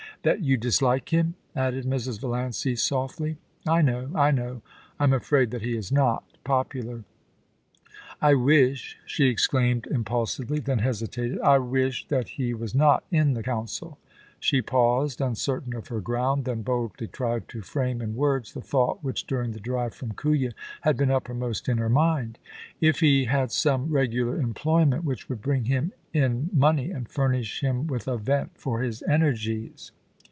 * That you dislike him,' added Mrs. Valiancy, softly. * I know — I know — I'm afraid that he is not — popular. ... I wish,* she exclaimed impulsively, then hesitated —* I wish that he was not in the Council' She paused, uncertain of her ground, then boldly tried to frame in words the thought which during the drive from Kooya had been uppermost in her mind :* If he had some regular employment which would bring him in money and furnish him with a vent for his energies.